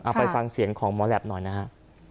ไปฟังเสียงของหมอแหลปหน่อยนะฮะ